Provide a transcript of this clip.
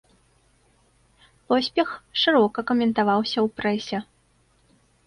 Поспех шырока каментаваўся ў прэсе.